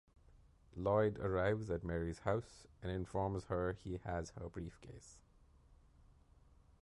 Lloyd arrives at Mary's house and informs her he has her briefcase.